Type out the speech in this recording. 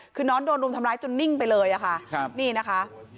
คือน้องโดนรุมทำร้ายจนนิ่งไปเลยค่ะนี่นะคะ